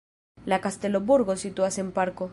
La kastelo-burgo situas en parko.